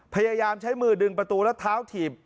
พยายามใช้มือดึงประตูแล้วเท้าถีบ